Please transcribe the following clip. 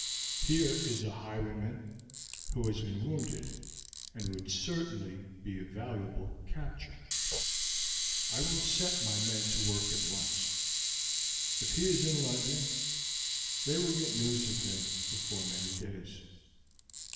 Here is a highwayman who has been wounded, and would certainly be a valuable capture: I will set my men to work at once; if he is in London they will get news of him before many days.